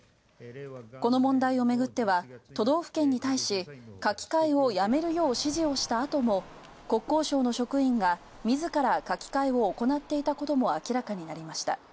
この問題をめぐっては、都道府県に対し書き換えをやめるよう指示をしたあとも国交省の職員が、みずから書き換えを行っていたことも明らかになりました。